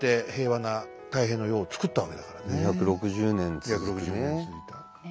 ２６０年続いた。